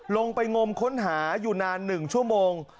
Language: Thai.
ลงไปงมค้นหาอยู่นาน๑ชั่วโมง